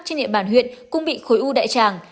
trên địa bàn huyện cũng bị khối u đại tràng